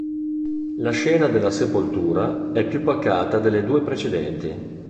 La scena della "Sepoltura" è più pacata delle due precedenti.